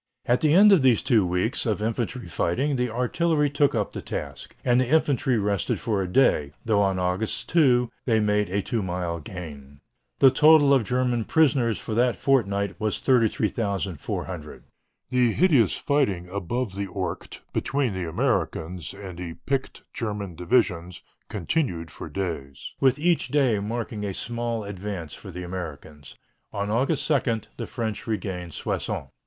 At the end of these two weeks of infantry fighting the artillery took up the task, and the infantry rested for a day, though on August 2 they made a two mile gain. The total of German prisoners for that fortnight was 33,400. The hideous fighting above the Ourcq between the Americans and the picked German divisions continued for days, with each day marking a small advance for the Americans. On August 2 the French regained Soissons.